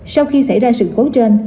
sau khi xảy ra sự cố trên